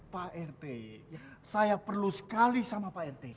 pak rt saya perlu sekali sama pak rt